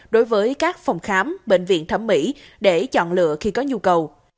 đối với các phòng khám bệnh viện thẩm mỹ để chọn lựa khi có nhu cầu